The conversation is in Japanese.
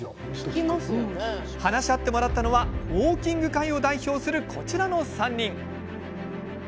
話し合ってもらったのはウォーキング界を代表するこちらの３人。